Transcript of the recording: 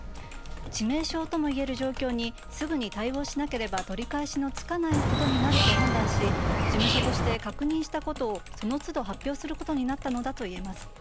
致命傷ともいえる状況にすぐに対応しなければ取り返しのつかないことになると判断し事務所として確認したことをその都度発表することになったのだといえます。